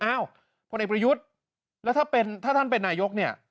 อ้าวพลเอกประยุทธ์แล้วถ้าท่านเป็นนายก